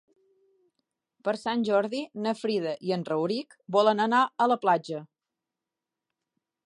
Per Sant Jordi na Frida i en Rauric volen anar a la platja.